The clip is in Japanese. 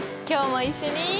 今日も一緒に。